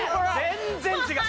全然違う！